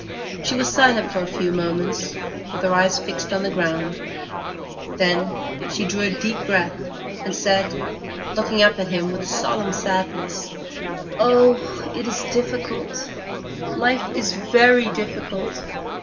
She was silent for a few moments, with her eyes fixed on the ground; then she drew a deep breath, and said, looking up at him with solemn sadness,— "Oh, it is difficult,—life is very difficult!